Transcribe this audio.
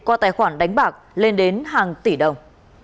qua tài khoản đánh bạc lên đến hàng tỷ đồng